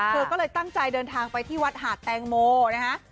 เธอก็เลยตั้งใจเดินทางไปที่วัดหาดแตงโมนะฮะ